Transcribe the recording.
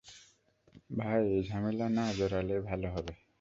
ভাই, এই ঝামেলায় না জড়ালেই ভালো হবে।